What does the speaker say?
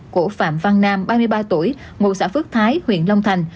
của phạm văn nam ba mươi ba tuổi ngụ xã phước thái huyện long thành